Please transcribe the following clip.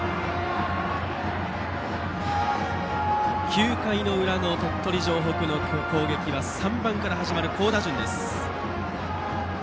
９回裏の鳥取城北の攻撃は３番から始まる好打順。